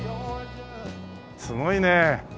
すごいね。